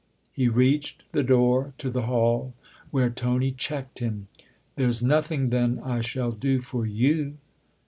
He reached the door to the hall, where Tony checked him. " There's nothing, then, I shall do for you